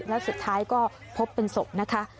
แล้วสุดท้ายก็พบเป็นศพนะคะ